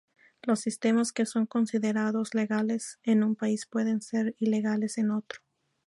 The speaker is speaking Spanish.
Los sistemas que son considerados legales en un país pueden ser ilegales en otro.